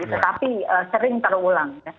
tetapi sering terulang